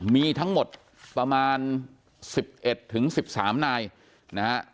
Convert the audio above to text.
มีทั้งหมดประมาณ๑๑๑๑๓นายนะฮะ